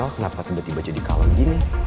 kenapa tiba tiba jadi kalah gini